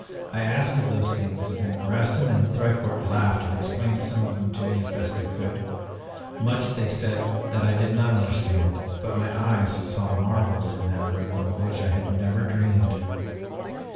I asked of those things and Rastin and Thicourt laughed and explained some of them to me as best they could. Much they said that I did not understand but my eyes saw marvels in that room of which I had never dreamed.